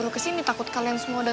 rah makasih ya